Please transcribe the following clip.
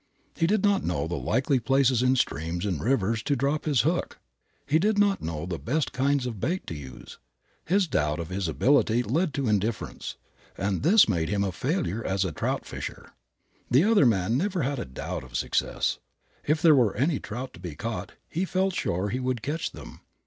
He did not know the likely places in streams and rivers to drop his hook. He did not know the best kinds of bait to use. His doubt of his ability led to indifference, and this made him a failure as a trout fisher. The other man never had a doubt of success. If there were any trout to be caught he felt sure he would catch them.